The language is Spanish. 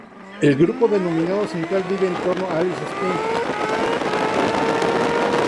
El grupo denominado central vive en torno a Alice Springs.